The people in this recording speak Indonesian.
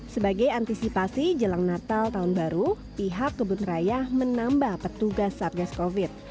sebagai antisipasi jelang natal tahun baru pihak kebun raya menambah petugas satgas covid